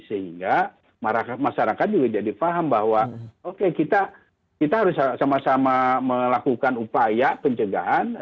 sehingga masyarakat juga jadi faham bahwa oke kita harus sama sama melakukan upaya pencegahan